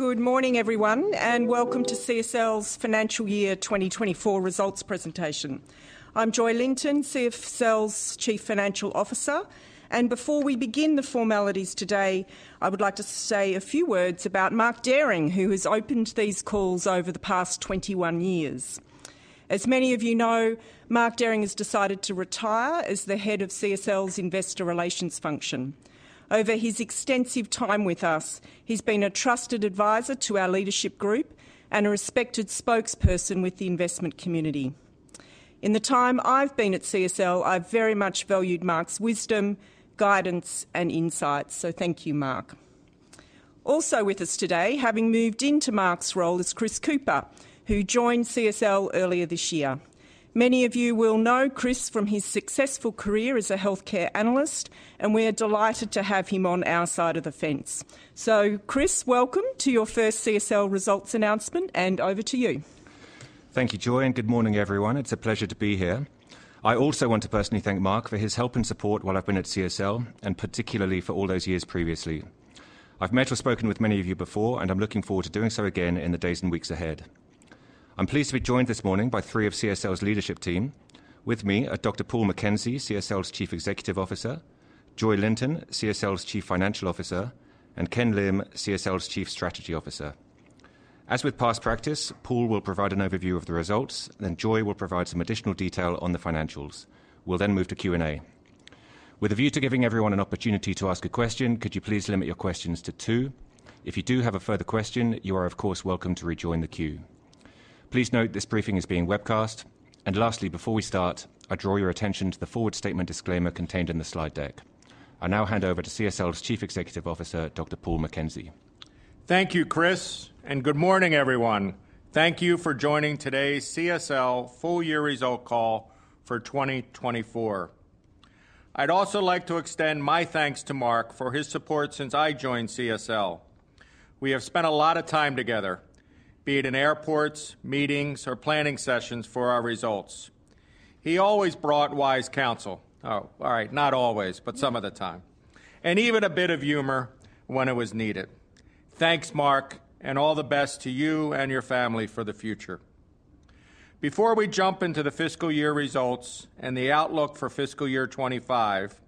Good morning, everyone, and welcome to CSL's Financial Year 2024 results presentation. I'm Joy Linton, CSL's Chief Financial Officer, and before we begin the formalities today, I would like to say a few words about Mark Dehring, who has opened these calls over the past 21 years. As many of you know, Mark Dehring has decided to retire as the head of CSL's Investor Relations function. Over his extensive time with us, he's been a trusted advisor to our leadership group and a respected spokesperson with the investment community. In the time I've been at CSL, I've very much valued Mark's wisdom, guidance, and insight, so thank you, Mark. Also with us today, having moved into Mark's role, is Chris Cooper, who joined CSL earlier this year. Many of you will know Chris from his successful career as a healthcare analyst, and we are delighted to have him on our side of the fence. So Chris, welcome to your first CSL results announcement, and over to you. Thank you, Joy, and good morning, everyone. It's a pleasure to be here. I also want to personally thank Mark for his help and support while I've been at CSL, and particularly for all those years previously. I've met or spoken with many of you before, and I'm looking forward to doing so again in the days and weeks ahead. I'm pleased to be joined this morning by three of CSL's leadership team. With me are Dr. Paul McKenzie, CSL's Chief Executive Officer, Joy Linton, CSL's Chief Financial Officer, and Ken Lim, CSL's Chief Strategy Officer. As with past practice, Paul will provide an overview of the results, then Joy will provide some additional detail on the financials. We'll then move to Q&A. With a view to giving everyone an opportunity to ask a question, could you please limit your questions to two? If you do have a further question, you are, of course, welcome to rejoin the queue. Please note this briefing is being webcast. Lastly, before we start, I draw your attention to the forward statement disclaimer contained in the slide deck. I now hand over to CSL's Chief Executive Officer, Dr. Paul McKenzie. Thank you, Chris, and good morning, everyone. Thank you for joining today's CSL full year result call for 2024. I'd also like to extend my thanks to Mark for his support since I joined CSL. We have spent a lot of time together, be it in airports, meetings, or planning sessions for our results. He always brought wise counsel. Oh, all right, not always, but some of the time, and even a bit of humor when it was needed. Thanks, Mark, and all the best to you and your family for the future. Before we jump into the fiscal year results and the outlook for fiscal year 2025,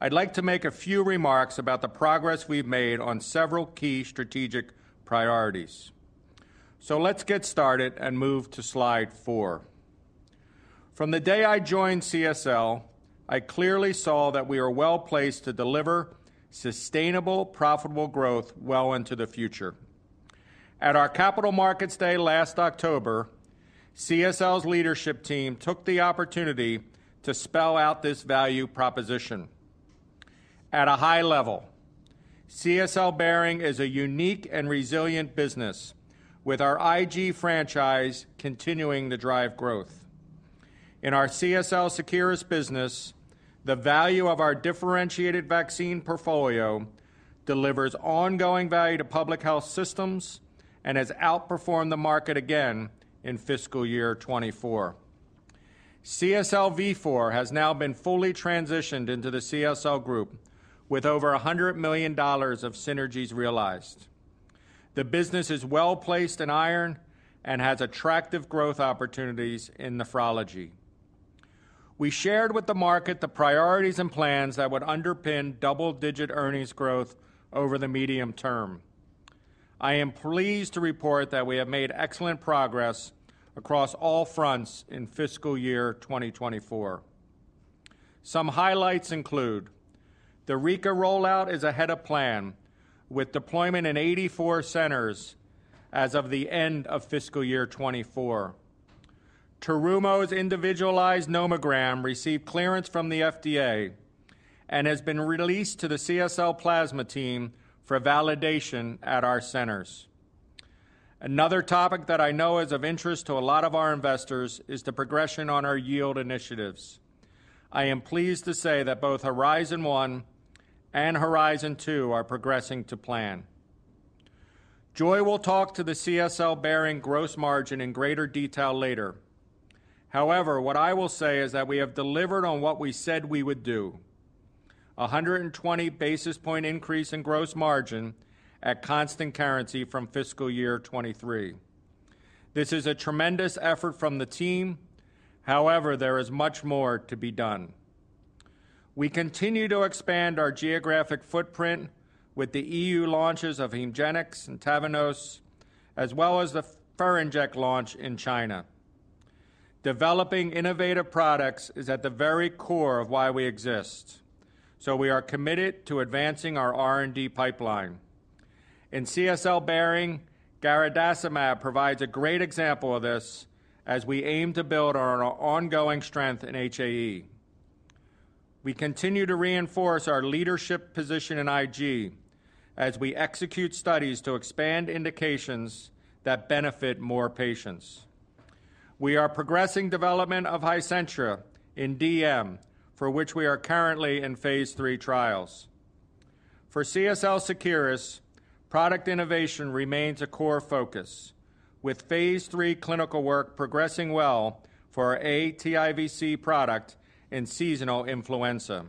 I'd like to make a few remarks about the progress we've made on several key strategic priorities. So let's get started and move to Slide 4. From the day I joined CSL, I clearly saw that we are well-placed to deliver sustainable, profitable growth well into the future. At our Capital Markets Day last October, CSL's leadership team took the opportunity to spell out this value proposition. At a high level, CSL Behring is a unique and resilient business, with our IG franchise continuing to drive growth. In our CSL Seqirus business, the value of our differentiated vaccine portfolio delivers ongoing value to public health systems and has outperformed the market again in fiscal year 2024. CSL Vifor has now been fully transitioned into the CSL group, with over $100 million of synergies realized. The business is well-placed in iron and has attractive growth opportunities in nephrology. We shared with the market the priorities and plans that would underpin double-digit earnings growth over the medium term. I am pleased to report that we have made excellent progress across all fronts in fiscal year 2024. Some highlights include: the Rika rollout is ahead of plan, with deployment in 84 centers as of the end of fiscal year 2024. Terumo's individualized nomogram received clearance from the FDA and has been released to the CSL Plasma team for validation at our centers. Another topic that I know is of interest to a lot of our investors is the progression on our yield initiatives. I am pleased to say that both Horizon One and Horizon Two are progressing to plan. Joy will talk to the CSL Behring gross margin in greater detail later. However, what I will say is that we have delivered on what we said we would do, 120 basis point increase in gross margin at constant currency from fiscal year 2023. This is a tremendous effort from the team. However, there is much more to be done. We continue to expand our geographic footprint with the EU launches of HEMGENIX and TAVNEOS, as well as the Ferinject launch in China. Developing innovative products is at the very core of why we exist, so we are committed to advancing our R&D pipeline. In CSL Behring, garadacimab provides a great example of this as we aim to build on our ongoing strength in HAE. We continue to reinforce our leadership position in IG as we execute studies to expand indications that benefit more patients. We are progressing development of HIZENTRA in DM, for which we are currently in Phase III trials. For CSL Seqirus, product innovation remains a core focus, with Phase III clinical work progressing well for our aTIVc product and seasonal influenza.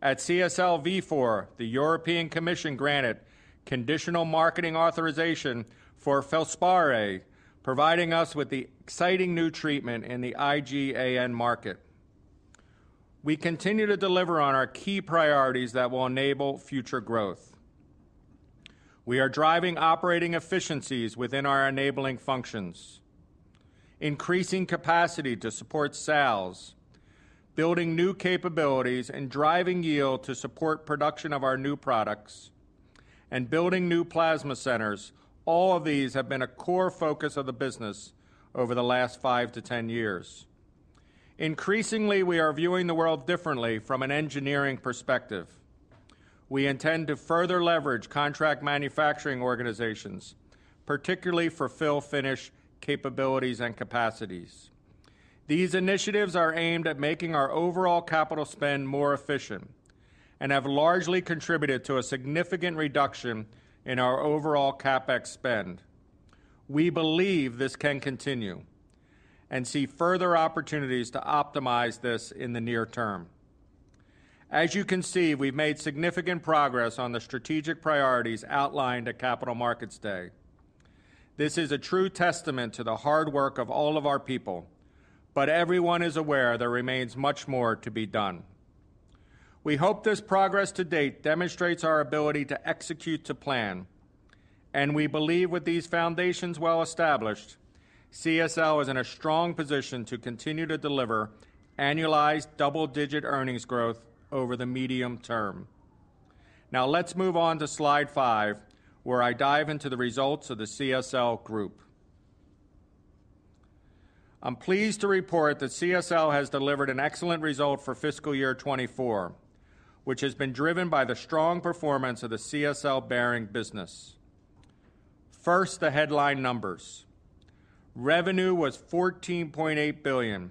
At CSL Vifor, the European Commission granted conditional marketing authorization for FILSPARI, providing us with the exciting new treatment in the IgAN market. We continue to deliver on our key priorities that will enable future growth. We are driving operating efficiencies within our enabling functions, increasing capacity to support sales, building new capabilities, and driving yield to support production of our new products, and building new plasma centers. All of these have been a core focus of the business over the last five to 10 years. Increasingly, we are viewing the world differently from an engineering perspective. We intend to further leverage contract manufacturing organizations, particularly for fill finish capabilities and capacities. These initiatives are aimed at making our overall capital spend more efficient and have largely contributed to a significant reduction in our overall CapEx spend. We believe this can continue and see further opportunities to optimize this in the near term. As you can see, we've made significant progress on the strategic priorities outlined at Capital Markets Day. This is a true testament to the hard work of all of our people, but everyone is aware there remains much more to be done. We hope this progress to date demonstrates our ability to execute to plan, and we believe with these foundations well established, CSL is in a strong position to continue to deliver annualized double-digit earnings growth over the medium term. Now, let's move on to Slide 5, where I dive into the results of the CSL group. I'm pleased to report that CSL has delivered an excellent result for fiscal year 2024, which has been driven by the strong performance of the CSL Behring business. First, the headline numbers. Revenue was $14.8 billion,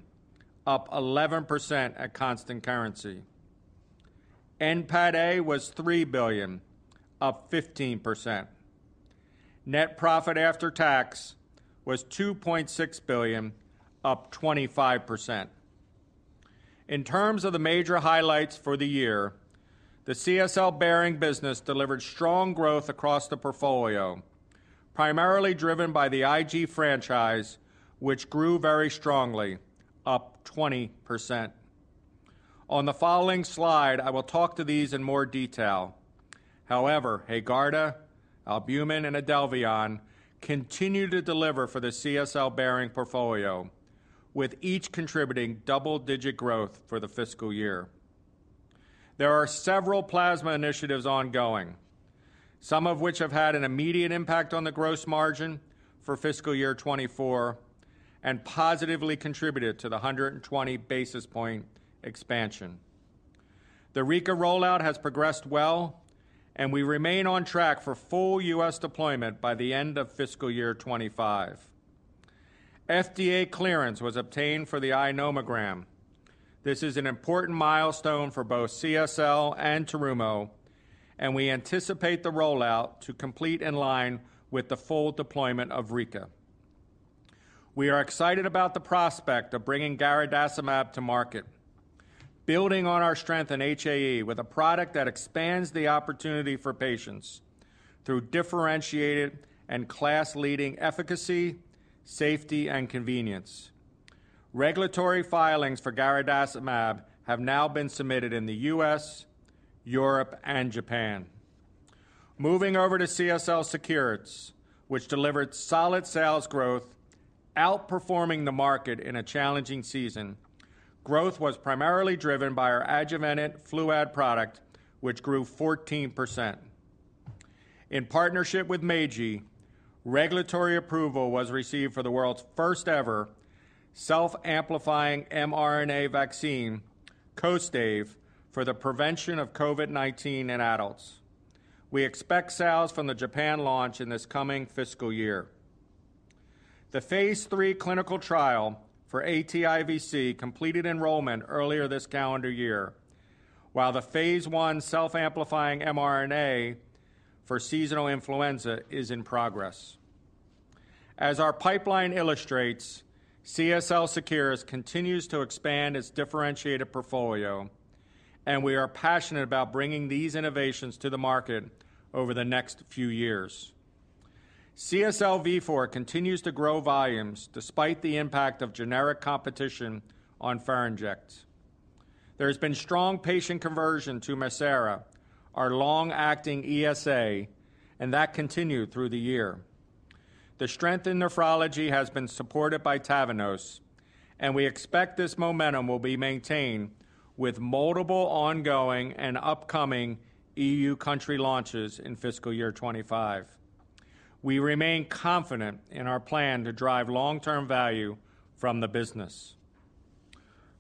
up 11% at constant currency. NPATA was $3 billion, up 15%. Net profit after tax was $2.6 billion, up 25%. In terms of the major highlights for the year, the CSL Behring business delivered strong growth across the portfolio, primarily driven by the IG franchise, which grew very strongly, up 20%. On the following slide, I will talk to these in more detail. However, HAEGARDA, Albumin, and IDELVION continue to deliver for the CSL Behring portfolio, with each contributing double-digit growth for the fiscal year. There are several plasma initiatives ongoing, some of which have had an immediate impact on the gross margin for fiscal year 2024 and positively contributed to the 120 basis point expansion. The Rika rollout has progressed well, and we remain on track for full U.S. deployment by the end of fiscal year 2025. FDA clearance was obtained for the iNomogram. This is an important milestone for both CSL and Terumo, and we anticipate the rollout to complete in line with the full deployment of Rika. We are excited about the prospect of bringing Garadacimab to market, building on our strength in HAE with a product that expands the opportunity for patients through differentiated and class-leading efficacy, safety, and convenience. Regulatory filings for Garadacimab have now been submitted in the U.S., Europe, and Japan. Moving over to CSL Seqirus, which delivered solid sales growth, outperforming the market in a challenging season. Growth was primarily driven by our adjuvanted Fluad product, which grew 14%. In partnership with Meiji, regulatory approval was received for the world's first-ever self-amplifying mRNA vaccine, KOSTAIVE, for the prevention of COVID-19 in adults. We expect sales from the Japan launch in this coming fiscal year. The Phase III clinical trial for aTIVc completed enrollment earlier this calendar year, while the Phase I self-amplifying mRNA for seasonal influenza is in progress. As our pipeline illustrates, CSL Seqirus continues to expand its differentiated portfolio, and we are passionate about bringing these innovations to the market over the next few years. CSL Vifor continues to grow volumes despite the impact of generic competition on Ferinject. There has been strong patient conversion to Mircera, our long-acting ESA, and that continued through the year. The strength in nephrology has been supported by TAVNEOS, and we expect this momentum will be maintained with multiple ongoing and upcoming EU country launches in fiscal year 2025. We remain confident in our plan to drive long-term value from the business.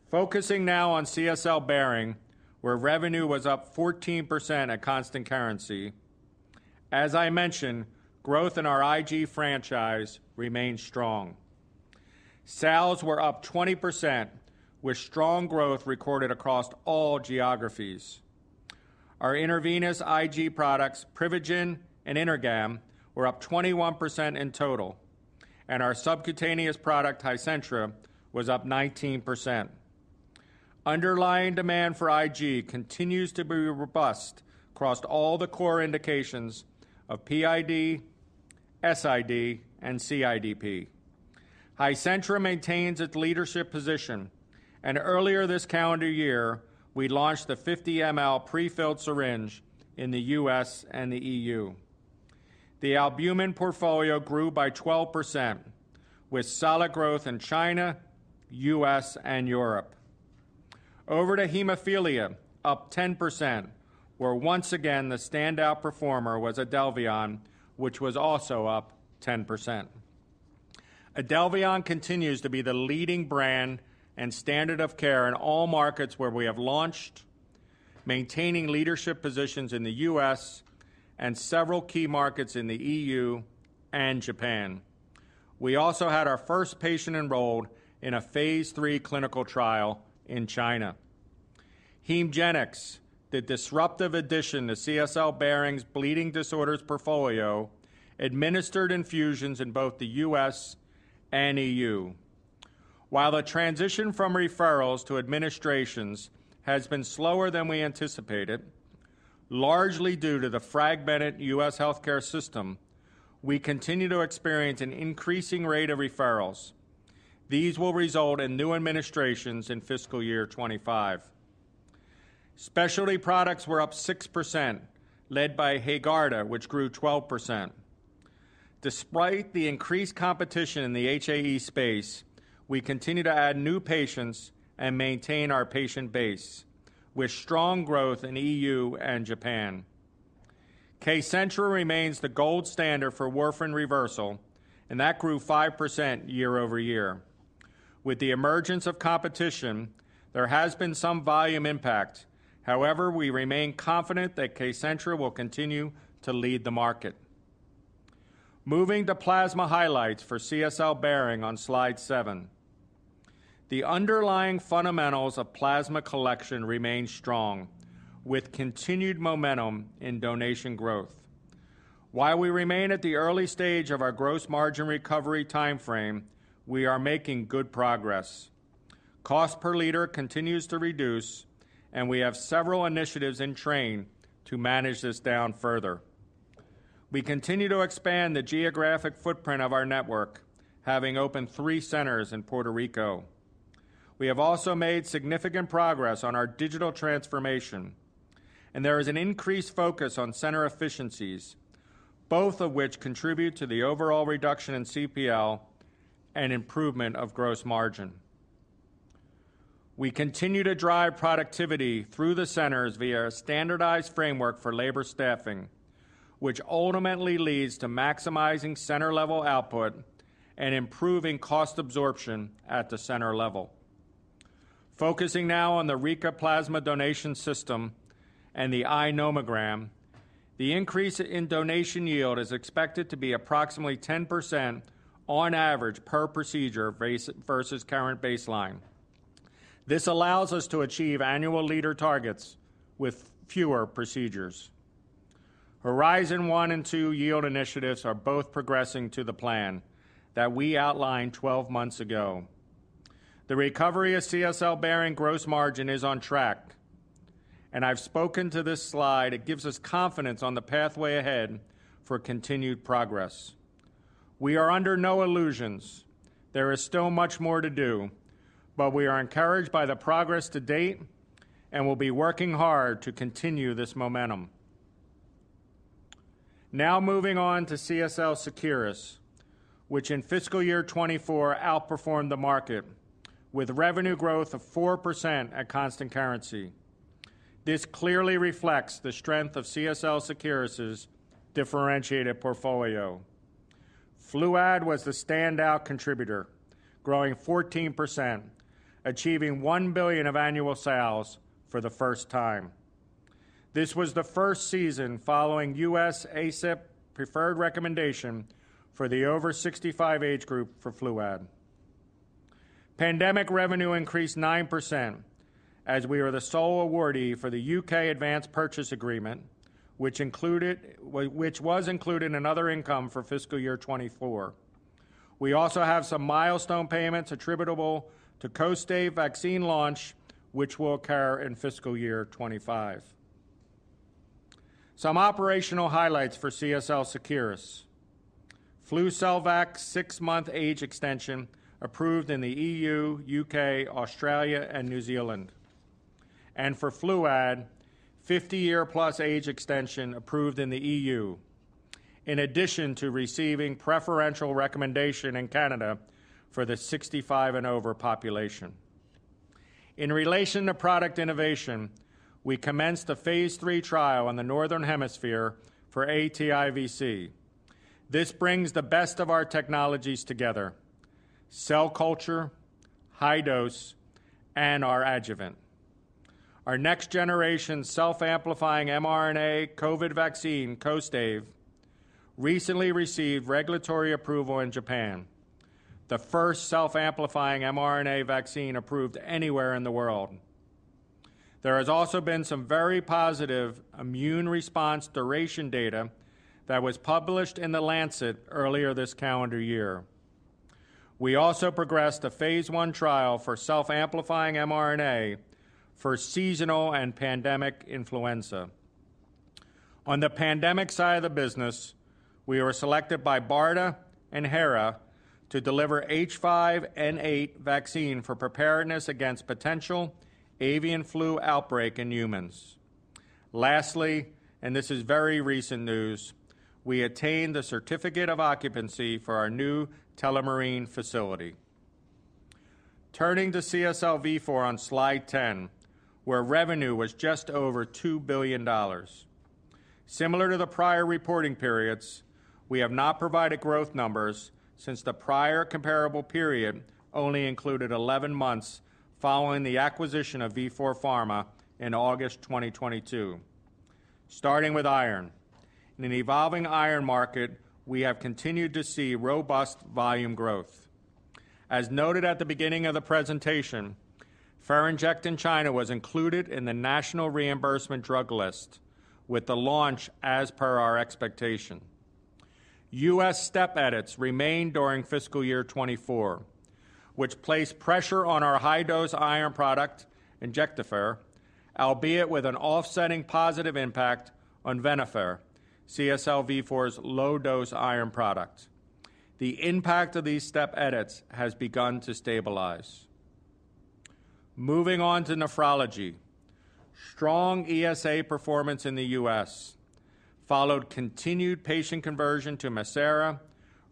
Focusing now on CSL Behring, where revenue was up 14% at constant currency. As I mentioned, growth in our IG franchise remains strong. Sales were up 20%, with strong growth recorded across all geographies. Our intravenous IG products, Privigen and Intragam, were up 21% in total, and our subcutaneous product, Hizentra, was up 19%. Underlying demand for IG continues to be robust across all the core indications of PID, SID, and CIDP. Hizentra maintains its leadership position, and earlier this calendar year, we launched the 50 mL prefilled syringe in the US and the EU. The albumin portfolio grew by 12%, with solid growth in China, US, and Europe. Over to hemophilia, up 10%, where once again, the standout performer was IDELVION, which was also up 10%. IDELVION continues to be the leading brand and standard of care in all markets where we have launched, maintaining leadership positions in the U.S. and several key markets in the E.U. and Japan. We also had our first patient enrolled in a Phase III clinical trial in China. HEMGENIX, the disruptive addition to CSL Behring's bleeding disorders portfolio, administered infusions in both the U.S. and E.U. While the transition from referrals to administrations has been slower than we anticipated, largely due to the fragmented U.S. healthcare system, we continue to experience an increasing rate of referrals. These will result in new administrations in fiscal year 2025. Specialty products were up 6%, led by HAEGARDA, which grew 12%. Despite the increased competition in the HAE space, we continue to add new patients and maintain our patient base with strong growth in E.U. and Japan. KCENTRA remains the gold standard for warfarin reversal, and that grew 5% year-over-year. With the emergence of competition, there has been some volume impact. However, we remain confident that KCENTRA will continue to lead the market. Moving to plasma highlights for CSL Behring on Slide 7. The underlying fundamentals of plasma collection remain strong, with continued momentum in donation growth. While we remain at the early stage of our gross margin recovery timeframe, we are making good progress. Cost per liter continues to reduce, and we have several initiatives in train to manage this down further. We continue to expand the geographic footprint of our network, having opened 3 centers in Puerto Rico. We have also made significant progress on our digital transformation, and there is an increased focus on center efficiencies, both of which contribute to the overall reduction in CPL and improvement of gross margin. We continue to drive productivity through the centers via a standardized framework for labor staffing, which ultimately leads to maximizing center-level output and improving cost absorption at the center level. Focusing now on the Rika plasma donation system and the iNomogram, the increase in donation yield is expected to be approximately 10% on average per procedure baseline versus current baseline. This allows us to achieve annual leader targets with fewer procedures. Horizon One and Two yield initiatives are both progressing to the plan that we outlined twelve months ago. The recovery of CSL Behring gross margin is on track, and I've spoken to this slide. It gives us confidence on the pathway ahead for continued progress. We are under no illusions. There is still much more to do, but we are encouraged by the progress to date and will be working hard to continue this momentum. Now moving on to CSL Seqirus, which in fiscal year 2024 outperformed the market with revenue growth of 4% at constant currency. This clearly reflects the strength of CSL Seqirus' differentiated portfolio. Fluad was the standout contributor, growing 14%, achieving $1 billion of annual sales for the first time. This was the first season following US ACIP preferred recommendation for the over-65 age group for Fluad. Pandemic revenue increased 9%, as we are the sole awardee for the UK Advanced Purchase Agreement, which was included in other income for fiscal year 2024. We also have some milestone payments attributable to KOSTAIVE vaccine launch, which will occur in fiscal year 2025. Some operational highlights for CSL Seqirus. FLUCELVAX 6-month age extension approved in the EU, UK, Australia, and New Zealand. For FLUAD, 50-year-plus age extension approved in the EU, in addition to receiving preferential recommendation in Canada for the 65 and over population. In relation to product innovation, we commenced a Phase III trial in the Northern Hemisphere for aTIVc. This brings the best of our technologies together: cell culture, high dose, and our adjuvant. Our next generation self-amplifying mRNA COVID vaccine, KOSTAIVE, recently received regulatory approval in Japan, the first self-amplifying mRNA vaccine approved anywhere in the world. There has also been some very positive immune response duration data that was published in The Lancet earlier this calendar year. We also progressed a Phase I trial for self-amplifying mRNA for seasonal and pandemic influenza. On the pandemic side of the business, we were selected by BARDA and HERA to deliver H5N8 vaccine for preparedness against potential avian flu outbreak in humans. Lastly, and this is very recent news, we attained the certificate of occupancy for our new Tullamarine facility. Turning to CSL Vifor on Slide 10, where revenue was just over $2 billion. Similar to the prior reporting periods, we have not provided growth numbers since the prior comparable period only included 11 months following the acquisition of Vifor Pharma in August 2022. Starting with iron. In an evolving iron market, we have continued to see robust volume growth. As noted at the beginning of the presentation, Ferinject in China was included in the National Reimbursement Drug List, with the launch as per our expectation. US step edits remained during fiscal year 2024, which placed pressure on our high-dose iron product, INJECTAFER, albeit with an offsetting positive impact on VENOFER, CSL Vifor's low-dose iron product. The impact of these step edits has begun to stabilize. Moving on to nephrology. Strong ESA performance in the U.S. followed continued patient conversion to MIRCERA,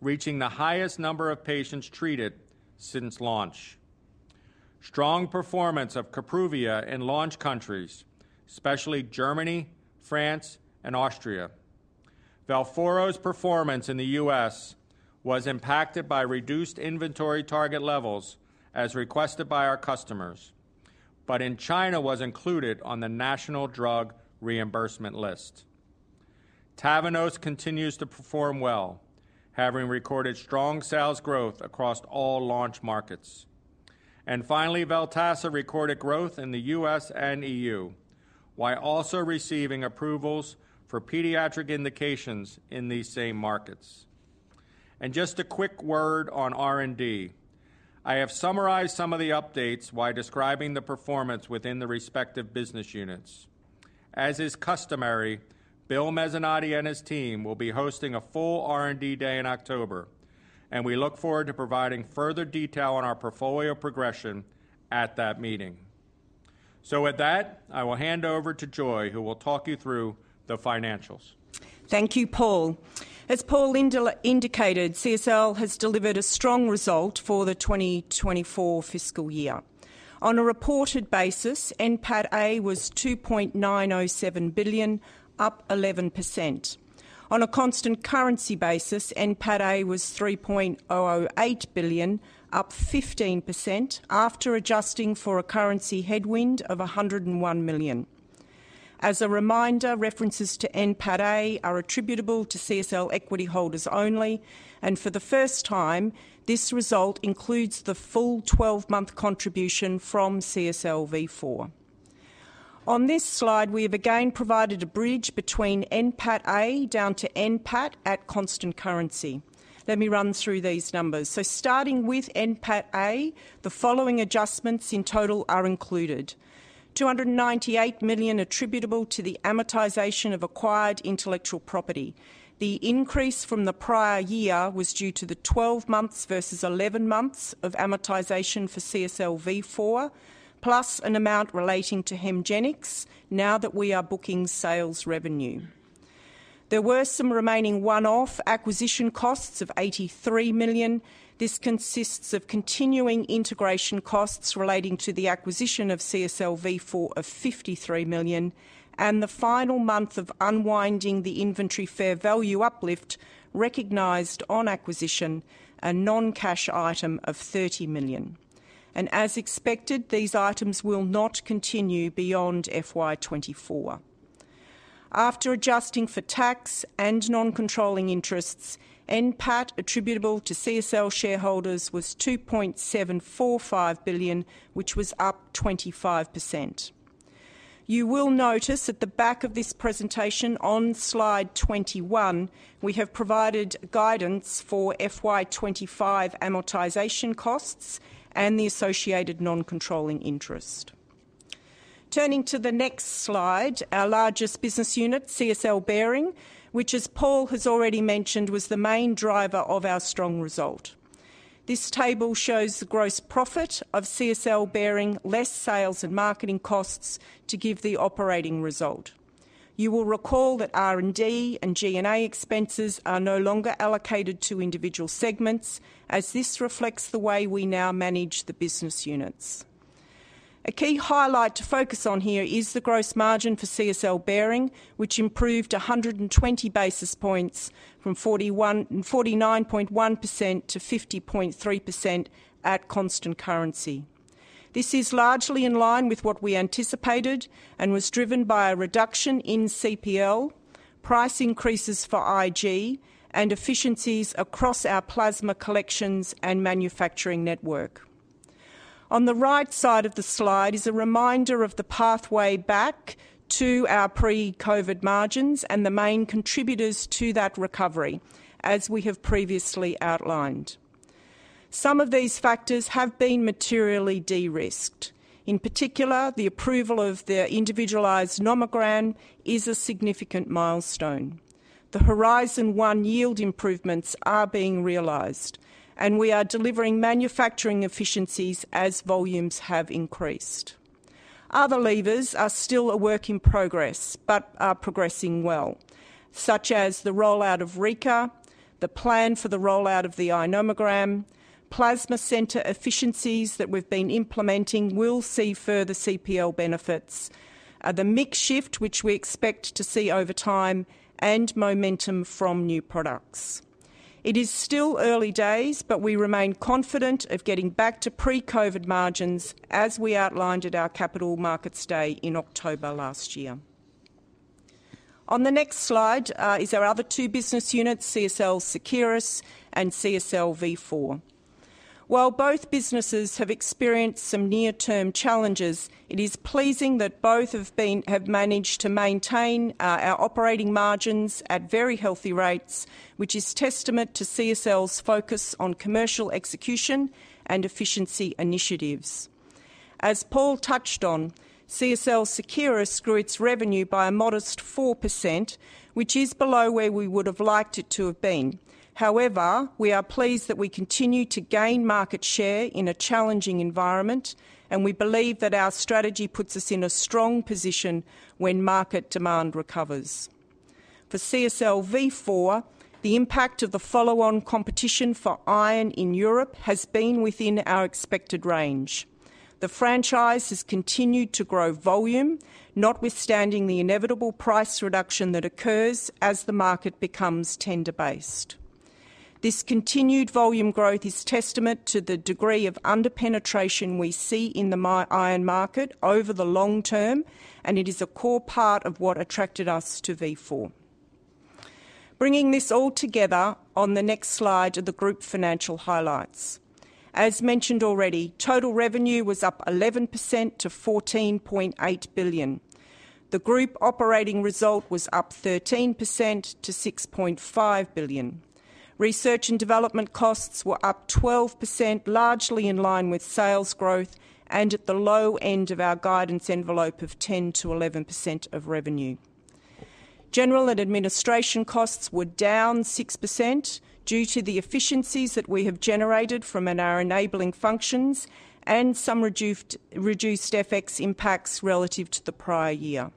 reaching the highest number of patients treated since launch. Strong performance of KAPRUVIA in launch countries, especially Germany, France, and Austria. VELPHORO's performance in the U.S. was impacted by reduced inventory target levels as requested by our customers, but in China, was included on the National Drug Reimbursement List. TAVNEOS continues to perform well, having recorded strong sales growth across all launch markets. And finally, VELTASSA recorded growth in the U.S. and E.U., while also receiving approvals for pediatric indications in these same markets. And just a quick word on R&D. I have summarized some of the updates while describing the performance within the respective business units. As is customary, Bill Mezzanotte and his team will be hosting a full R&D day in October, and we look forward to providing further detail on our portfolio progression at that meeting. So with that, I will hand over to Joy, who will talk you through the financials. Thank you, Paul. As Paul indicated, CSL has delivered a strong result for the 2024 fiscal year. On a reported basis, NPATA was $2.907 billion, up 11%. On a constant currency basis, NPATA was $3.008 billion, up 15%, after adjusting for a currency headwind of $101 million. As a reminder, references to NPATA are attributable to CSL equity holders only, and for the first time, this result includes the full 12-month contribution from CSL Vifor. On this slide, we have again provided a bridge between NPATA down to NPATA at constant currency. Let me run through these numbers. So starting with NPATA, the following adjustments in total are included: $298 million attributable to the amortization of acquired intellectual property. The increase from the prior year was due to the 12 months versus 11 months of amortization for CSL Vifor, plus an amount relating to HEMGENIX now that we are booking sales revenue. There were some remaining one-off acquisition costs of $83 million. This consists of continuing integration costs relating to the acquisition of CSL Vifor of $53 million and the final month of unwinding the inventory fair value uplift recognized on acquisition, a non-cash item of $30 million. As expected, these items will not continue beyond FY 2024. After adjusting for tax and non-controlling interests, NPATA attributable to CSL shareholders was $2.745 billion, which was up 25%. You will notice at the back of this presentation on Slide 21, we have provided guidance for FY 2025 amortization costs and the associated non-controlling interest. Turning to the next slide, our largest business unit, CSL Behring, which as Paul has already mentioned, was the main driver of our strong result. This table shows the gross profit of CSL Behring, less sales and marketing costs to give the operating result. You will recall that R&D and G&A expenses are no longer allocated to individual segments, as this reflects the way we now manage the business units. A key highlight to focus on here is the gross margin for CSL Behring, which improved 100 basis points from 49.1% to 50.3% at constant currency. This is largely in line with what we anticipated and was driven by a reduction in CPL, price increases for IG, and efficiencies across our plasma collections and manufacturing network. On the right side of the slide is a reminder of the pathway back to our pre-COVID margins and the main contributors to that recovery, as we have previously outlined. Some of these factors have been materially de-risked. In particular, the approval of the individualized nomogram is a significant milestone. The Horizon One yield improvements are being realized, and we are delivering manufacturing efficiencies as volumes have increased. Other levers are still a work in progress, but are progressing well, such as the rollout of Rika, the plan for the rollout of the iNomogram, plasma center efficiencies that we've been implementing, will see further CPL benefits, the mix shift, which we expect to see over time, and momentum from new products. It is still early days, but we remain confident of getting back to pre-COVID margins as we outlined at our Capital Markets Day in October last year. On the next slide is our other two business units, CSL Seqirus and CSL Vifor. While both businesses have experienced some near-term challenges, it is pleasing that both have managed to maintain our operating margins at very healthy rates, which is testament to CSL's focus on commercial execution and efficiency initiatives. As Paul touched on, CSL Seqirus grew its revenue by a modest 4%, which is below where we would have liked it to have been. However, we are pleased that we continue to gain market share in a challenging environment, and we believe that our strategy puts us in a strong position when market demand recovers. For CSL Vifor, the impact of the follow-on competition for iron in Europe has been within our expected range. The franchise has continued to grow volume, notwithstanding the inevitable price reduction that occurs as the market becomes tender-based. This continued volume growth is testament to the degree of under-penetration we see in the iron market over the long term, and it is a core part of what attracted us to Vifor. Bringing this all together on the next slide are the group financial highlights. As mentioned already, total revenue was up 11% to $14.8 billion. The group operating result was up 13% to $6.5 billion. Research and development costs were up 12%, largely in line with sales growth and at the low end of our guidance envelope of 10%-11% of revenue. General and administration costs were down 6% due to the efficiencies that we have generated in our enabling functions and some reduced FX impacts relative to the prior year.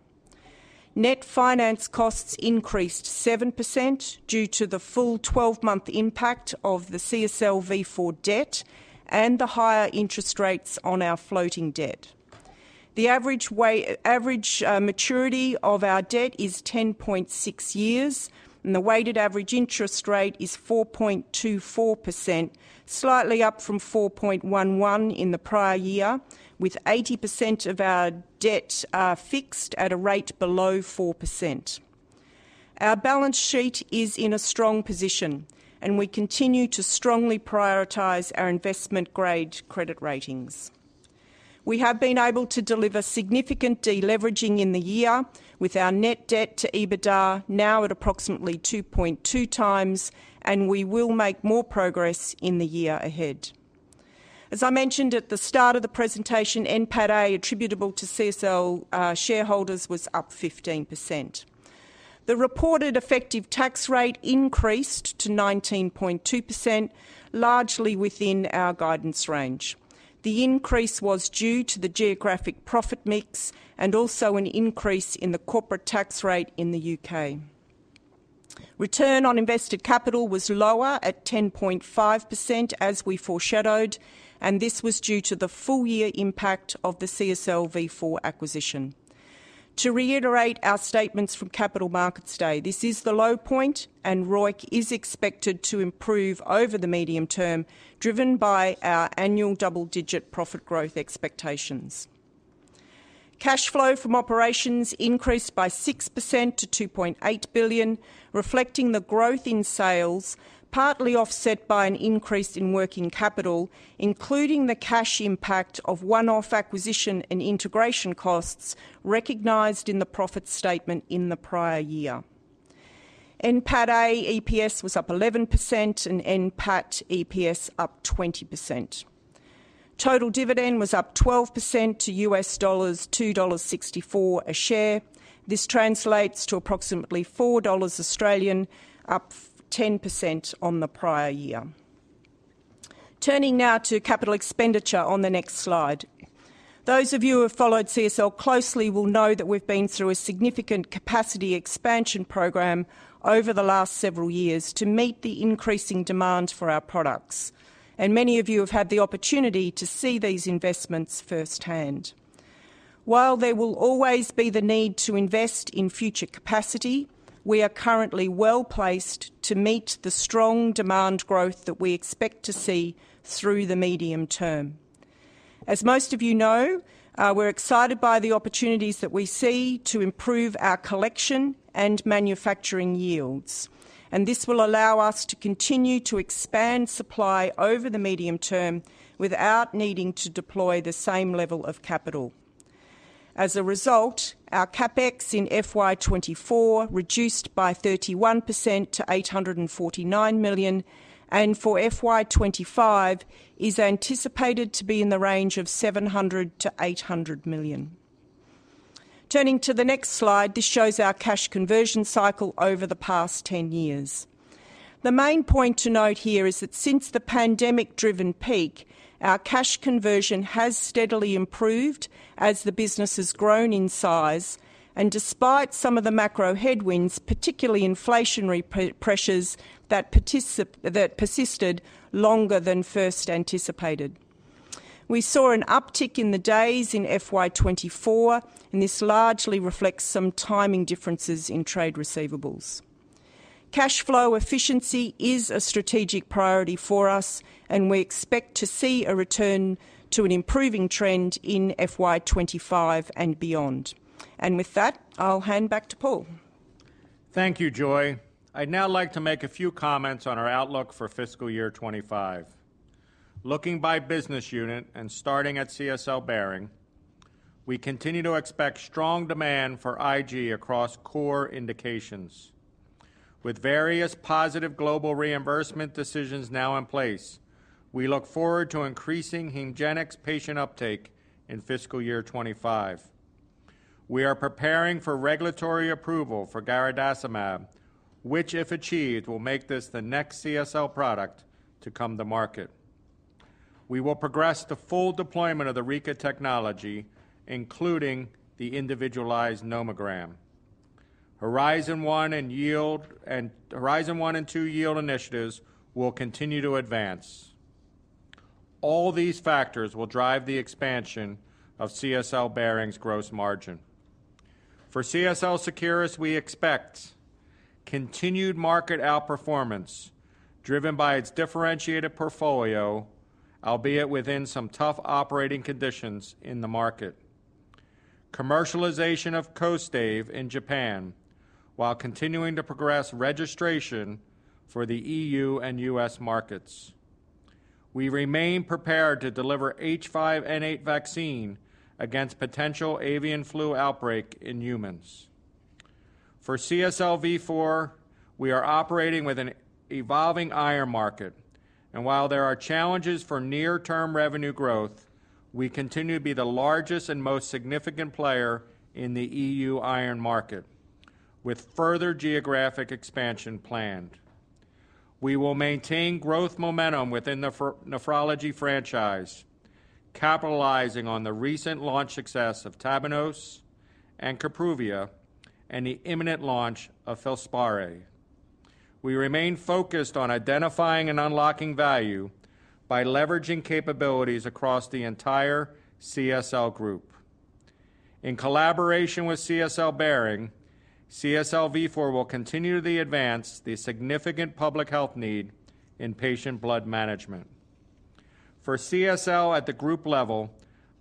Net finance costs increased 7% due to the full 12-month impact of the CSL Vifor debt and the higher interest rates on our floating debt. The average maturity of our debt is 10.6 years, and the weighted average interest rate is 4.24%, slightly up from 4.11% in the prior year, with 80% of our debt fixed at a rate below 4%. Our balance sheet is in a strong position, and we continue to strongly prioritize our investment-grade credit ratings. We have been able to deliver significant deleveraging in the year, with our net debt to EBITDA now at approximately 2.2x, and we will make more progress in the year ahead. As I mentioned at the start of the presentation, NPATA attributable to CSL shareholders was up 15%. The reported effective tax rate increased to 19.2%, largely within our guidance range. The increase was due to the geographic profit mix and also an increase in the corporate tax rate in the U.K. Return on invested capital was lower at 10.5%, as we foreshadowed, and this was due to the full year impact of the CSL Vifor acquisition. To reiterate our statements from Capital Markets Day, this is the low point, and ROIC is expected to improve over the medium term, driven by our annual double-digit profit growth expectations. Cash flow from operations increased by 6% to $2.8 billion, reflecting the growth in sales, partly offset by an increase in working capital, including the cash impact of one-off acquisition and integration costs recognized in the profit statement in the prior year. NPATA EPS was up 11% and NPATA EPS up 20%. Total dividend was up 12% to $2.64 a share. This translates to approximately 4 Australian dollars, up 10% on the prior year. Turning now to capital expenditure on the next slide. Those of you who have followed CSL closely will know that we've been through a significant capacity expansion program over the last several years to meet the increasing demand for our products, and many of you have had the opportunity to see these investments firsthand. While there will always be the need to invest in future capacity, we are currently well-placed to meet the strong demand growth that we expect to see through the medium term. As most of you know, we're excited by the opportunities that we see to improve our collection and manufacturing yields, and this will allow us to continue to expand supply over the medium term without needing to deploy the same level of capital. As a result, our CapEx in FY 2024 reduced by 31% to $849 million, and for FY 2025 is anticipated to be in the range of $700 million-$800 million. Turning to the next slide, this shows our cash conversion cycle over the past 10 years. The main point to note here is that since the pandemic-driven peak, our cash conversion has steadily improved as the business has grown in size, and despite some of the macro headwinds, particularly inflationary price pressures that persisted longer than first anticipated. We saw an uptick in the days in FY 2024, and this largely reflects some timing differences in trade receivables. Cash flow efficiency is a strategic priority for us, and we expect to see a return to an improving trend in FY 2025 and beyond. With that, I'll hand back to Paul. Thank you, Joy. I'd now like to make a few comments on our outlook for fiscal year 2025. Looking by business unit and starting at CSL Behring, we continue to expect strong demand for IG across core indications. With various positive global reimbursement decisions now in place, we look forward to increasing HEMGENIX patient uptake in fiscal year 2025. We are preparing for regulatory approval for garadacimab, which, if achieved, will make this the next CSL product to come to market. We will progress the full deployment of the Rika technology, including the individualized nomogram. Horizon One and Horizon Two yield initiatives will continue to advance. All these factors will drive the expansion of CSL Behring's gross margin. For CSL Seqirus, we expect continued market outperformance, driven by its differentiated portfolio, albeit within some tough operating conditions in the market. Commercialization of KOSTAIVE in Japan, while continuing to progress registration for the EU and US markets. We remain prepared to deliver H5N8 vaccine against potential avian flu outbreak in humans. For CSL Vifor, we are operating with an evolving iron market, and while there are challenges for near-term revenue growth, we continue to be the largest and most significant player in the EU iron market, with further geographic expansion planned. We will maintain growth momentum within the nephrology franchise, capitalizing on the recent launch success of TAVNEOS and KAPRUVIA and the imminent launch of FILSPARI. We remain focused on identifying and unlocking value by leveraging capabilities across the entire CSL group. In collaboration with CSL Behring, CSL Vifor will continue to advance the significant public health need in patient blood management. For CSL at the group level,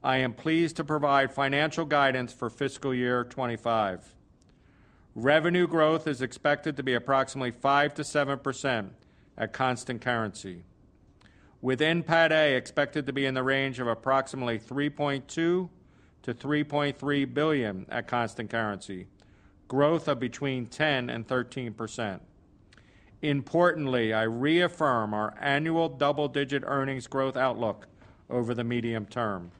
I am pleased to provide financial guidance for fiscal year 2025. Revenue growth is expected to be approximately 5%-7% at constant currency, with NPATA expected to be in the range of approximately $3.2 billion-$3.3 billion at constant currency, growth of between 10%-13%. Importantly, I reaffirm our annual double-digit earnings growth outlook over the medium term.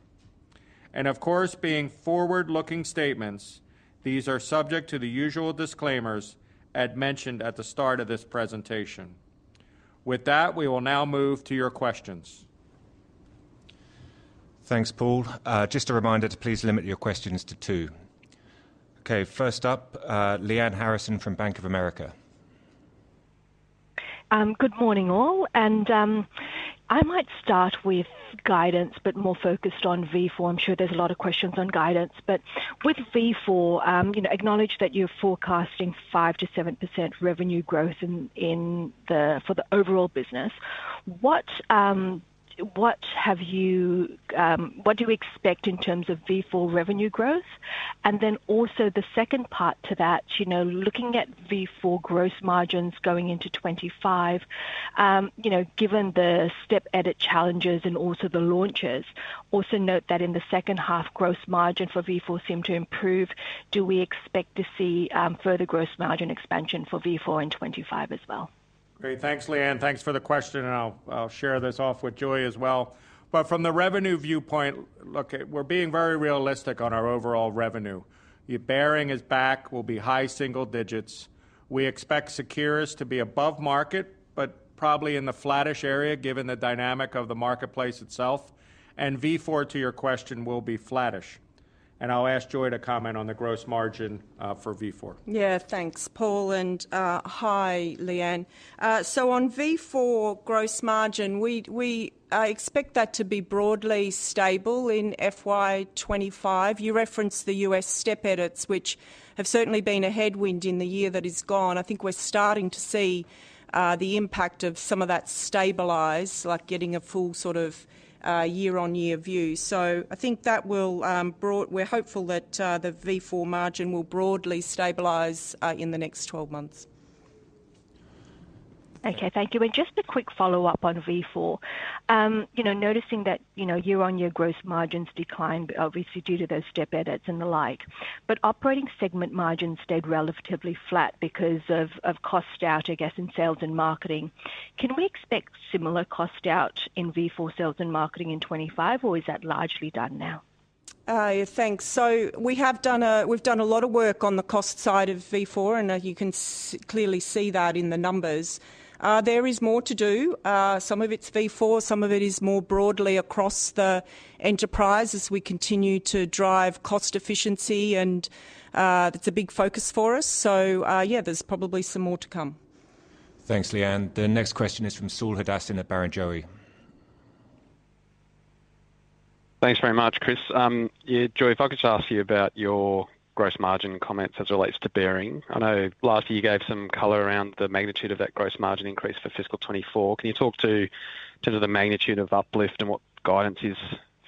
Of course, being forward-looking statements, these are subject to the usual disclaimers as mentioned at the start of this presentation. With that, we will now move to your questions. Thanks, Paul. Just a reminder to please limit your questions to two. Okay, first up, Lyanne Harrison from Bank of America. Good morning, all, and I might start with guidance, but more focused on Vifor. I'm sure there's a lot of questions on guidance, but with Vifor, you know, acknowledge that you're forecasting 5%-7% revenue growth in, in the—for the overall business. What do we expect in terms of Vifor revenue growth? And then also the second part to that, you know, looking at Vifor gross margins going into 2025, you know, given the step edit challenges and also the launches, also note that in the second half, gross margin for Vifor seem to improve. Do we expect to see further gross margin expansion for Vifor in 2025 as well? Great. Thanks, Lyanne. Thanks for the question, and I'll share this off with Joy as well. But from the revenue viewpoint, look, we're being very realistic on our overall revenue. The Behring is back, will be high single digits. We expect Seqirus to be above market, but probably in the flattish area, given the dynamic of the marketplace itself. And Vifor, to your question, will be flattish. And I'll ask Joy to comment on the gross margin for Vifor. Yeah, thanks, Paul, and hi, Lyanne. So on Vifor gross margin, I expect that to be broadly stable in FY 2025. You referenced the US step edits, which have certainly been a headwind in the year that is gone. I think we're starting to see the impact of some of that stabilize, like getting a full sort of year-on-year view. So I think that will We're hopeful that the Vifor margin will broadly stabilize in the next 12 months. Okay, thank you. And just a quick follow-up on Vifor. You know, noticing that, you know, year-on-year gross margins declined obviously due to those step edits and the like, but operating segment margins stayed relatively flat because of cost out, I guess, in sales and marketing. Can we expect similar cost out in Vifor sales and marketing in 25, or is that largely done now? Yeah, thanks. So we've done a lot of work on the cost side of Vifor, and you can clearly see that in the numbers. There is more to do. Some of it's Vifor, some of it is more broadly across the enterprise as we continue to drive cost efficiency, and that's a big focus for us. So yeah, there's probably some more to come. Thanks, Lyanne. The next question is from Saul Hadassin at Barrenjoey. Thanks very much, Chris. Yeah, Joy, if I could just ask you about your gross margin comments as it relates to Behring. I know last year you gave some color around the magnitude of that gross margin increase for fiscal 2024. Can you talk to in terms of the magnitude of uplift and what guidance is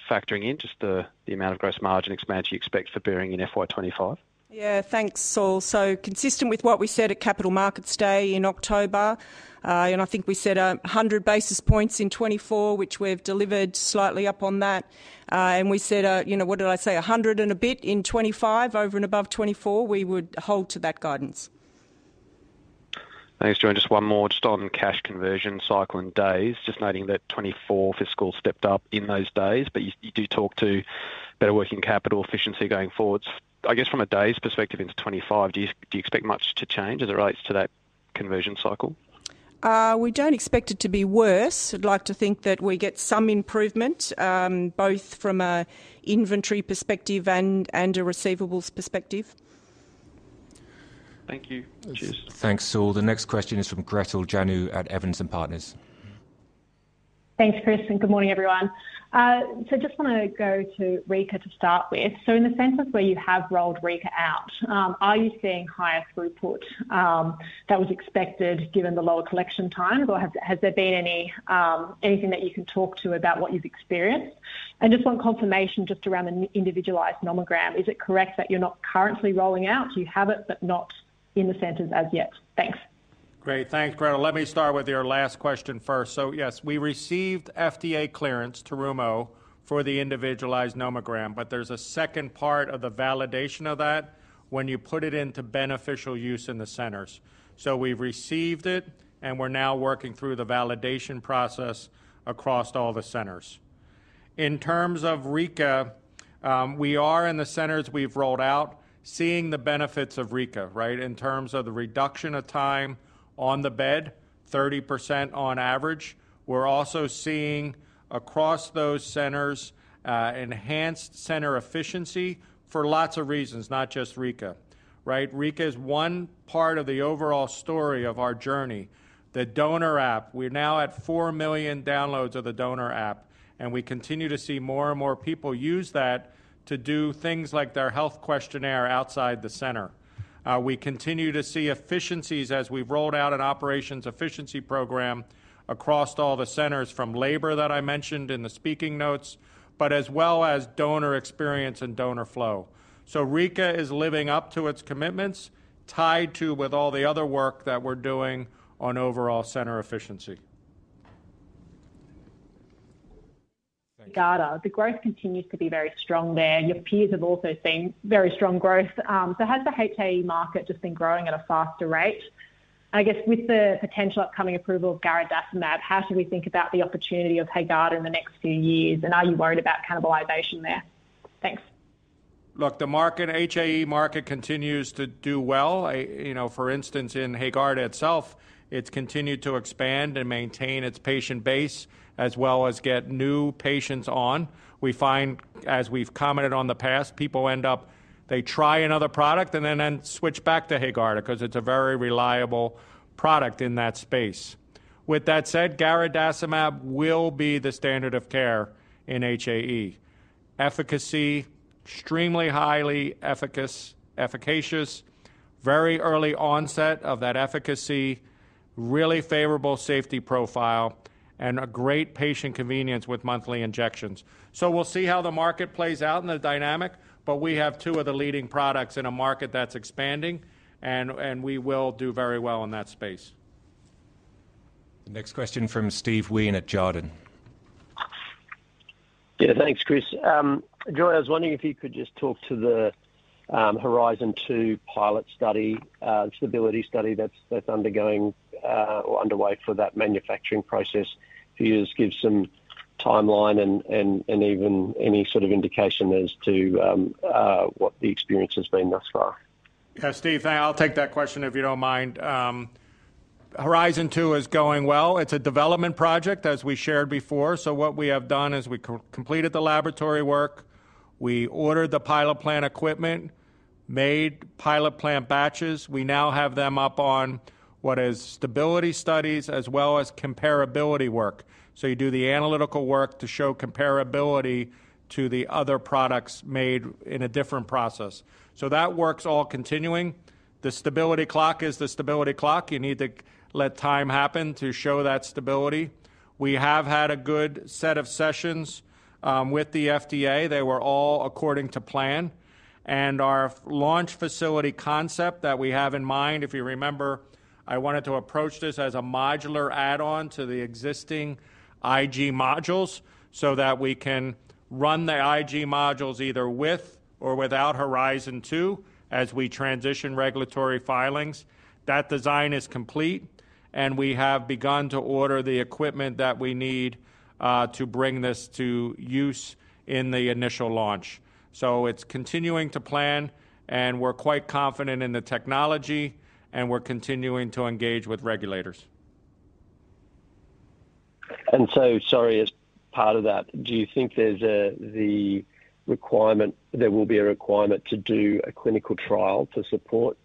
factoring in, just the amount of gross margin expansion you expect for Behring in FY 2025? Yeah, thanks, Saul. So consistent with what we said at Capital Markets Day in October, and I think we said, 100 basis points in 2024, which we've delivered slightly up on that. And we said, you know, what did I say? 100 and a bit in 2025, over and above 2024, we would hold to that guidance. Thanks, Joy. And just one more, just on cash conversion cycle and days, just noting that 2024 fiscal stepped up in those days, but you do talk to better working capital efficiency going forward. I guess from a day's perspective into 2025, do you expect much to change as it relates to that conversion cycle? We don't expect it to be worse. I'd like to think that we get some improvement, both from a inventory perspective and a receivables perspective. Thank you. Cheers. Thanks, Saul. The next question is from Gretel Janu at Evans and Partners. Thanks, Chris, and good morning, everyone. So just want to go to Rika to start with. So in the centers where you have rolled Rika out, are you seeing higher throughput than was expected given the lower collection times, or has there been anything that you can talk to about what you've experienced? And just want confirmation just around the individualized nomogram. Is it correct that you're not currently rolling out? You have it, but not in the centers as yet. Thanks. Great. Thanks, Gretel. Let me start with your last question first. So yes, we received FDA clearance, Terumo, for the individualized nomogram, but there's a second part of the validation of that when you put it into beneficial use in the centers. So we've received it, and we're now working through the validation process across all the centers. In terms of Rika, we are in the centers we've rolled out, seeing the benefits of Rika, right? In terms of the reduction of time on the bed, 30% on average. We're also seeing across those centers, enhanced center efficiency for lots of reasons, not just Rika, right? Rika is one part of the overall story of our journey. The donor app, we're now at 4 million downloads of the donor app, and we continue to see more and more people use that to do things like their health questionnaire outside the center. We continue to see efficiencies as we've rolled out an operations efficiency program across all the centers, from labor that I mentioned in the speaking notes, but as well as donor experience and donor flow. So Rika is living up to its commitments, tied to with all the other work that we're doing on overall center efficiency. HAEGARDA, the growth continues to be very strong there. Your peers have also seen very strong growth. So has the HAE market just been growing at a faster rate? And I guess with the potential upcoming approval of garadacimab, how should we think about the opportunity of HAEGARDA in the next few years, and are you worried about cannibalization there? Thanks. Look, the market, HAE market continues to do well. You know, for instance, in HAEGARDA itself, it's continued to expand and maintain its patient base, as well as get new patients on. We find, as we've commented on the past, people end up, they try another product and then switch back to HAEGARDA because it's a very reliable product in that space. With that said, garadacimab will be the standard of care in HAE. Efficacy, extremely highly efficacious, very early onset of that efficacy, really favorable safety profile, and a great patient convenience with monthly injections. So we'll see how the market plays out in the dynamic, but we have two of the leading products in a market that's expanding, and we will do very well in that space. The next question from Steve Wheen at Jarden. Yeah, thanks, Chris. Joy, I was wondering if you could just talk to the Horizon Two pilot study, stability study that's undergoing or underway for that manufacturing process. If you just give some timeline and even any sort of indication as to what the experience has been thus far. Yeah, Steve, I'll take that question, if you don't mind. Horizon Two is going well. It's a development project, as we shared before. So what we have done is we co-completed the laboratory work, we ordered the pilot plant equipment, made pilot plant batches. We now have them up on stability studies as well as comparability work. So you do the analytical work to show comparability to the other products made in a different process. So that work's all continuing. The stability clock is the stability clock. You need to let time happen to show that stability. We have had a good set of sessions with the FDA. They were all according to plan, and our launch facility concept that we have in mind. If you remember, I wanted to approach this as a modular add-on to the existing IG modules, so that we can run the IG modules either with or without Horizon Two as we transition regulatory filings. That design is complete, and we have begun to order the equipment that we need to bring this to use in the initial launch. So it's continuing to plan, and we're quite confident in the technology, and we're continuing to engage with regulators. Sorry, as part of that, do you think there's the requirement, there will be a requirement to do a clinical trial to support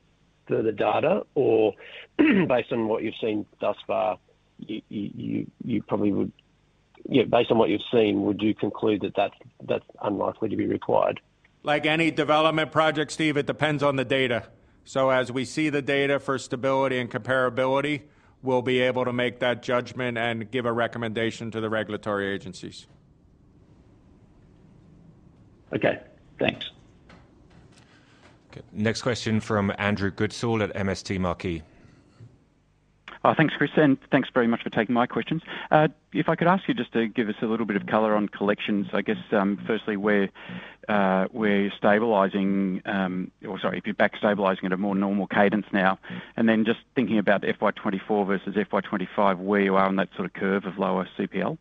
further data? Or based on what you've seen thus far, you probably would. Yeah, based on what you've seen, would you conclude that that's unlikely to be required? Like any development project, Steve, it depends on the data. So as we see the data for stability and comparability, we'll be able to make that judgment and give a recommendation to the regulatory agencies. Okay, thanks. Okay, next question from Andrew Goodsall at MST Marquee. Thanks, Chris, and thanks very much for taking my questions. If I could ask you just to give us a little bit of color on collections, I guess, firstly, where you're stabilizing, or sorry, if you're back stabilizing at a more normal cadence now, and then just thinking about FY 2024 versus FY 2025, where you are on that sort of curve of lower CPL?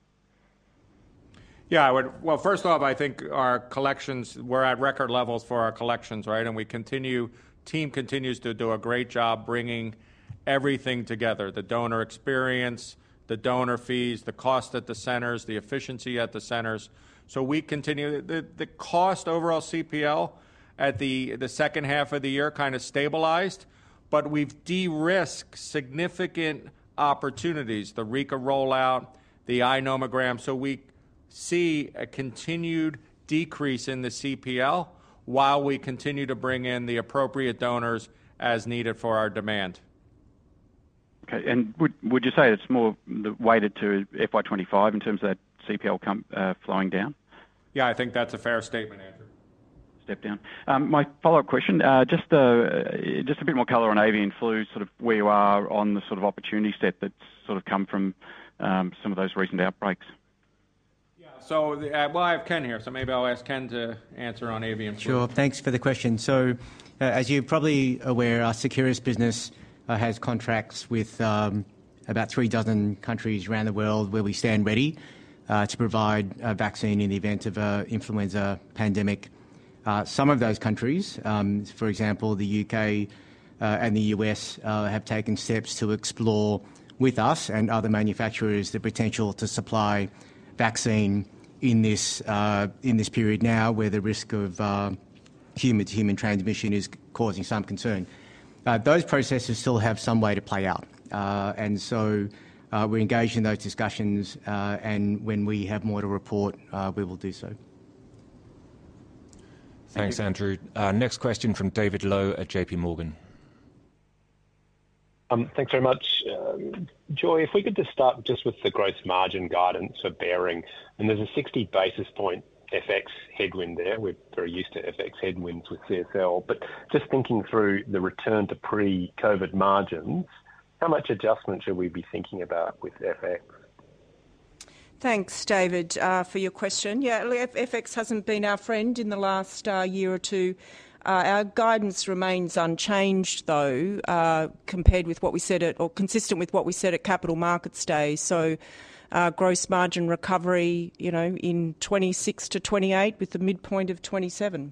Yeah, well, first off, I think our collections, we're at record levels for our collections, right? And the team continues to do a great job bringing everything together: the donor experience, the donor fees, the cost at the centers, the efficiency at the centers. So the cost overall CPL at the second half of the year kind of stabilized, but we've de-risked significant opportunities, the Rika rollout, the iNomogram. So we see a continued decrease in the CPL while we continue to bring in the appropriate donors as needed for our demand. Okay, and would you say it's more weighted to FY 2025 in terms of that CPL coming flowing down? Yeah, I think that's a fair statement, Andrew. Step down. My follow-up question, just a bit more color on avian flu, sort of where you are on the sort of opportunity set that's sort of come from, some of those recent outbreaks. Yeah. Well, I have Ken here, so maybe I'll ask Ken to answer on avian flu. Sure. Thanks for the question. So, as you're probably aware, our Seqirus business has contracts with about three dozen countries around the world, where we stand ready to provide a vaccine in the event of a influenza pandemic. Some of those countries, for example, the UK and the US, have taken steps to explore with us and other manufacturers the potential to supply vaccine in this period now, where the risk of human-to-human transmission is causing some concern. Those processes still have some way to play out. And so, we're engaged in those discussions, and when we have more to report, we will do so. Thanks, Andrew. Next question from David Low at J.P. Morgan. Thanks very much. Joy, if we could just start just with the gross margin guidance for Behring, and there's a 60 basis point FX headwind there. We're very used to FX headwinds with CSL, but just thinking through the return to pre-COVID margins, how much adjustment should we be thinking about with FX? Thanks, David, for your question. Yeah, FX hasn't been our friend in the last year or two. Our guidance remains unchanged, though, compared with what we said at or consistent with what we said at Capital Markets Day. So, gross margin recovery, you know, in 26%-28%, with a midpoint of 27%.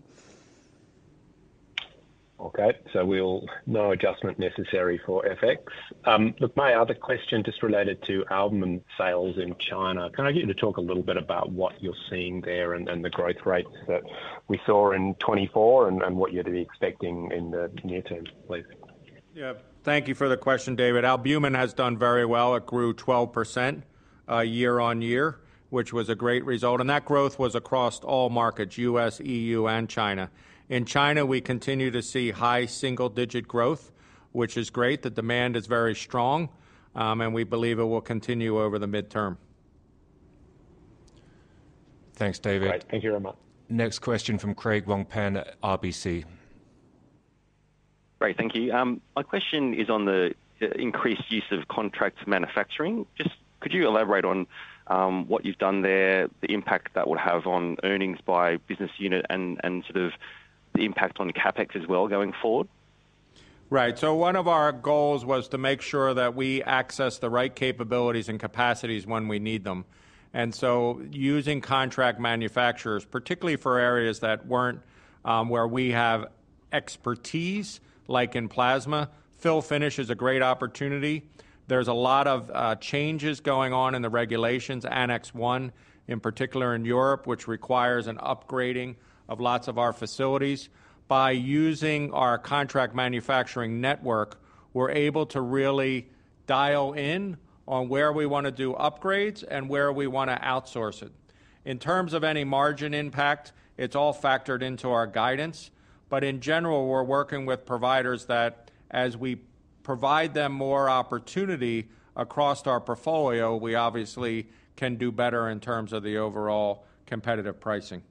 Okay, so we'll—no adjustment necessary for FX. Look, my other question just related to Albumin sales in China. Can I get you to talk a little bit about what you're seeing there and the growth rates that we saw in 2024 and what you'd be expecting in the near term, please? Yeah. Thank you for the question, David. Albumin has done very well. It grew 12%, year-on-year, which was a great result, and that growth was across all markets: US, EU, and China. In China, we continue to see high single-digit growth, which is great. The demand is very strong, and we believe it will continue over the midterm. Thanks, David. All right. Thank you very much. Next question from Craig Wong-Pan at RBC. Great, thank you. My question is on the, the increased use of contract manufacturing. Just could you elaborate on, what you've done there, the impact that would have on earnings by business unit and, and sort of the impact on CapEx as well going forward? Right. So one of our goals was to make sure that we access the right capabilities and capacities when we need them. And so using contract manufacturers, particularly for areas that weren't where we have expertise, like in plasma, fill finish is a great opportunity. There's a lot of changes going on in the regulations, Annex 1, in particular in Europe, which requires an upgrading of lots of our facilities. By using our contract manufacturing network, we're able to really dial in on where we wanna do upgrades and where we wanna outsource it. In terms of any margin impact, it's all factored into our guidance. But in general, we're working with providers that as we provide them more opportunity across our portfolio, we obviously can do better in terms of the overall competitive pricing.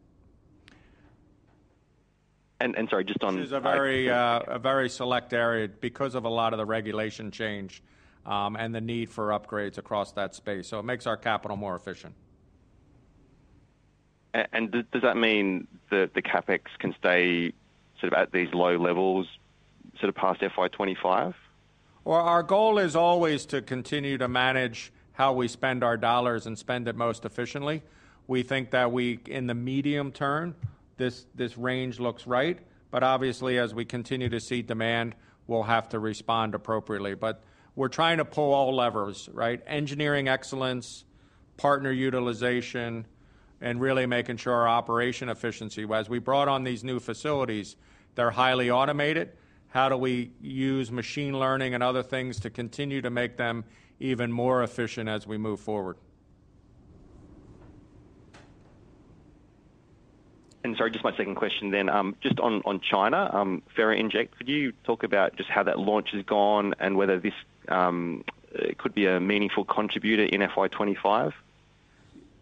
Sorry, just on- This is a very, a very select area because of a lot of the regulation change, and the need for upgrades across that space, so it makes our capital more efficient. Does that mean that the CapEx can stay sort of at these low levels sort of past FY 2025? Well, our goal is always to continue to manage how we spend our dollars and spend it most efficiently. We think that we, in the medium term, this, this range looks right, but obviously, as we continue to see demand, we'll have to respond appropriately. But we're trying to pull all levers, right? Engineering excellence, partner utilization, and really making sure our operation efficiency. As we brought on these new facilities, they're highly automated. How do we use machine learning and other things to continue to make them even more efficient as we move forward? And sorry, just my second question then. Just on, on China, Ferinject, could you talk about just how that launch has gone and whether this, it could be a meaningful contributor in FY 2025?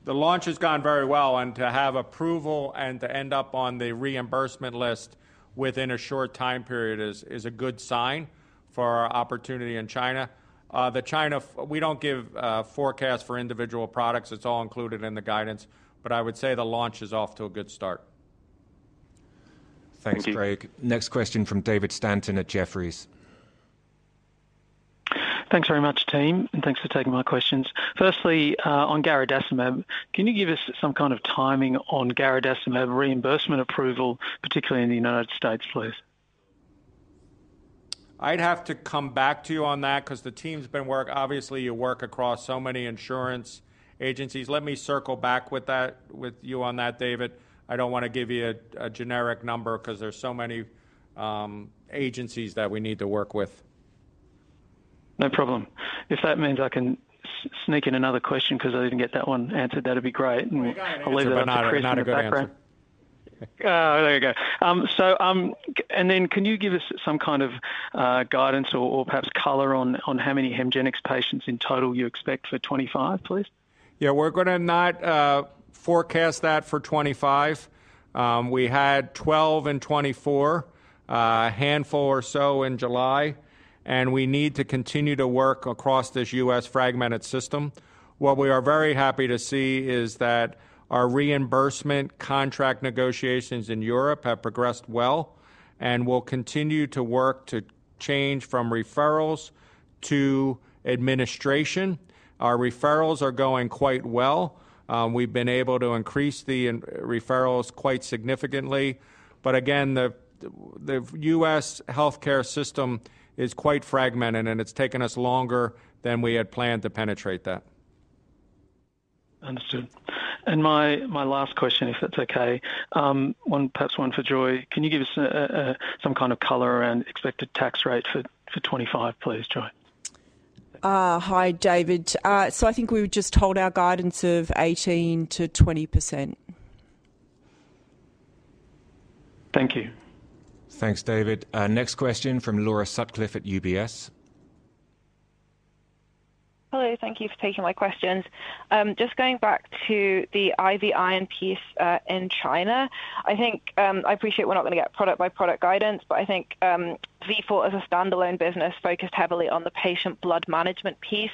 The launch has gone very well, and to have approval and to end up on the reimbursement list within a short time period is a good sign for our opportunity in China. The China, we don't give forecast for individual products. It's all included in the guidance, but I would say the launch is off to a good start. Thank you. Thanks, Craig. Next question from David Stanton at Jefferies. Thanks very much, team, and thanks for taking my questions. Firstly, on garadacimab, can you give us some kind of timing on garadacimab reimbursement approval, particularly in the United States, please? I'd have to come back to you on that 'cause the team's been obviously, you work across so many insurance agencies. Let me circle back with that, with you on that, David. I don't wanna give you a, a generic number 'cause there's so many agencies that we need to work with. No problem. If that means I can sneak in another question 'cause I didn't get that one answered, that'd be great. Well, you got an answer, but not a good answer. Oh, there you go. So, and then can you give us some kind of guidance or perhaps color on how many HEMGENIX patients in total you expect for 2025, please? Yeah, we're gonna not forecast that for 25. We had 12 in 2024, a handful or so in July, and we need to continue to work across this U.S. fragmented system. What we are very happy to see is that our reimbursement contract negotiations in Europe have progressed well and will continue to work to change from referrals to administration. Our referrals are going quite well. We've been able to increase the internal referrals quite significantly. But again, the U.S. healthcare system is quite fragmented, and it's taken us longer than we had planned to penetrate that. Understood. And my last question, if that's okay, perhaps one for Joy. Can you give us some kind of color around expected tax rate for 25, please, Joy? Hi, David. So I think we were just told our guidance of 18%-20%. Thank you. Thanks, David. Next question from Laura Sutcliffe at UBS. Hello, thank you for taking my questions. Just going back to the IV iron piece, in China, I think, I appreciate we're not gonna get product by product guidance, but I think, Vifor as a standalone business, focused heavily on the patient blood management piece,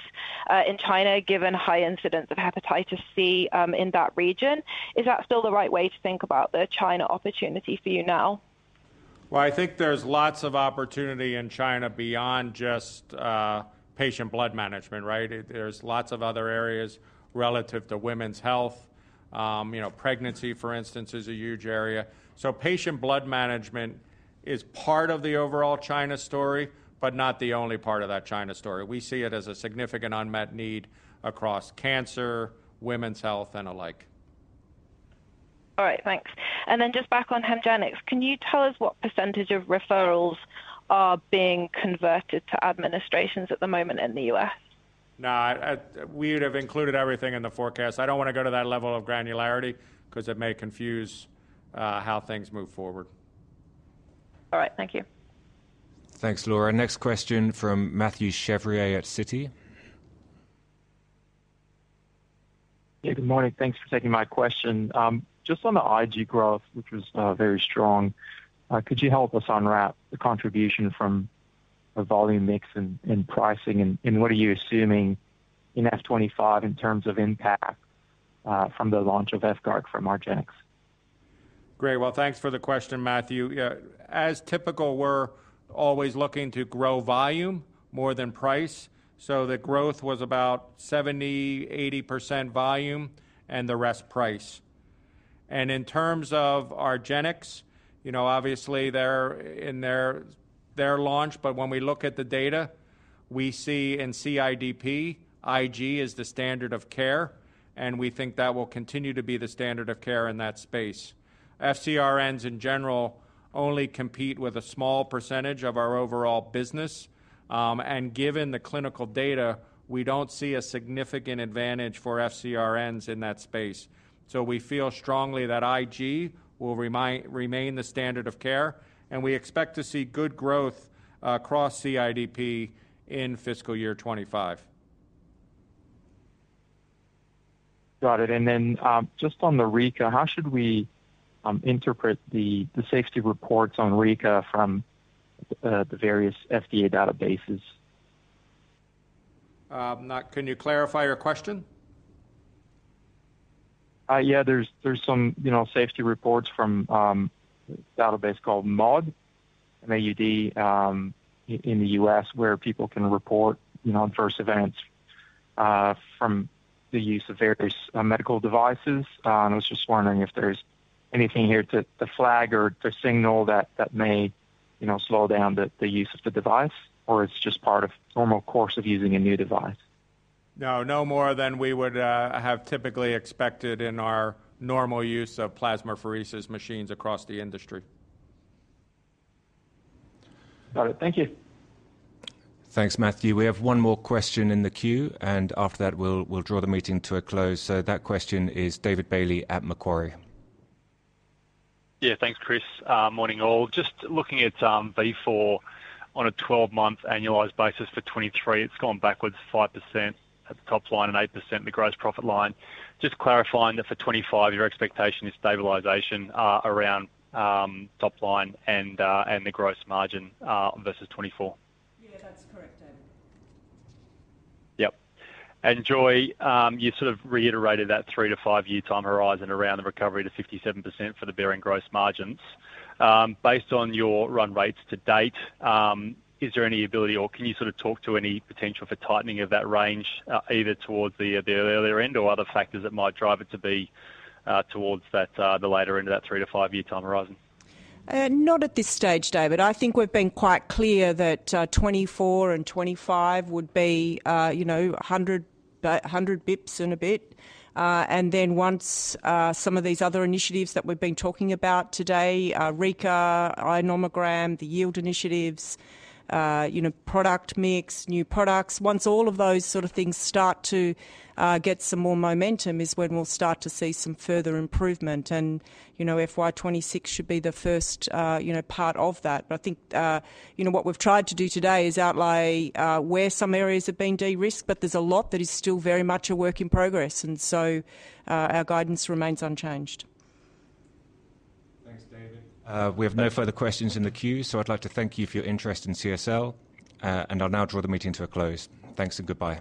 in China, given high incidence of hepatitis C, in that region. Is that still the right way to think about the China opportunity for you now? Well, I think there's lots of opportunity in China beyond just, patient blood management, right? There's lots of other areas relative to women's health. You know, pregnancy, for instance, is a huge area. So patient blood management is part of the overall China story, but not the only part of that China story. We see it as a significant unmet need across cancer, women's health, and the like. All right, thanks. And then just back on HEMGENIX, can you tell us what percentage of referrals are being converted to administrations at the moment in the U.S.? No, we would have included everything in the forecast. I don't wanna go to that level of granularity 'cause it may confuse, how things move forward. All right. Thank you. Thanks, Laura. Next question from Mathieu Chevrier at Citi. Yeah, good morning. Thanks for taking my question. Just on the IG growth, which was very strong, could you help us unwrap the contribution from the volume mix and pricing and what are you assuming in FY 2025 in terms of impact from the launch of VYVGART from argenx? Great. Well, thanks for the question, Mathieu. Yeah, as typical, we're always looking to grow volume more than price, so the growth was about 70%-80% volume, and the rest price. And in terms of our genetics, you know, obviously, they're in their, their launch. But when we look at the data, we see in CIDP, IG is the standard of care, and we think that will continue to be the standard of care in that space. FcRns, in general, only compete with a small percentage of our overall business. And given the clinical data, we don't see a significant advantage for FcRns in that space. So we feel strongly that IG will remain the standard of care, and we expect to see good growth across CIDP in fiscal year 2025. Got it. And then, just on the Rika, how should we interpret the safety reports on Rika from the various FDA databases? Can you clarify your question? Yeah, there's some, you know, safety reports from a database called MAUDE, M-A-U-D-E, in the US, where people can report, you know, adverse events from the use of various medical devices. I was just wondering if there's anything here to flag or to signal that may, you know, slow down the use of the device, or it's just part of normal course of using a new device. No, no more than we would have typically expected in our normal use of plasmapheresis machines across the industry. Got it. Thank you. Thanks, Mathieu. We have one more question in the queue, and after that, we'll draw the meeting to a close. So that question is David Bailey at Macquarie. Yeah. Thanks, Chris. Morning, all. Just looking at Vifor on a twelve-month annualized basis for 2023, it's gone backwards 5% at the top line and 8% the gross profit line. Just clarifying that for 2025, your expectation is stabilization around top line and the gross margin versus 2024? Yeah, that's correct, David. Yep. And, Joy, you sort of reiterated that 3-5 year time horizon around the recovery to 57% for the Behring gross margins. Based on your run rates to date, is there any ability or can you sort of talk to any potential for tightening of that range, either towards the, the earlier end or other factors that might drive it to be, towards that, the later end of that 3-5 year time horizon? Not at this stage, David. I think we've been quite clear that, 2024 and 2025 would be, you know, 100 basis points in a bit. And then once, some of these other initiatives that we've been talking about today, Rika, iNomogram, the yield initiatives, you know, product mix, new products. Once all of those sort of things start to get some more momentum, is when we'll start to see some further improvement. And, you know, FY 2026 should be the first, you know, part of that. But I think, you know, what we've tried to do today is outline, where some areas have been de-risked, but there's a lot that is still very much a work in progress, and so, our guidance remains unchanged. Thanks, David. We have no further questions in the queue, so I'd like to thank you for your interest in CSL, and I'll now draw the meeting to a close. Thanks and goodbye.